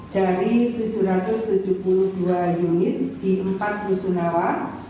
dari tujuh ratus tujuh puluh dua unit di empat rusunawa